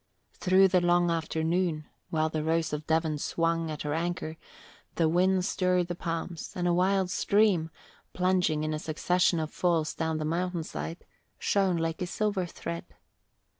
Through the long afternoon, while the Rose of Devon swung at her anchor, the wind stirred the palms and a wild stream, plunging in a succession of falls down a mountainside, shone like a silver thread.